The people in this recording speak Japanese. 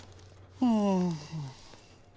うん。